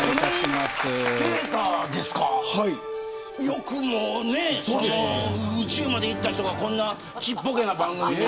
よくも、宇宙まで行った人がこんな、ちっぽけな番組に。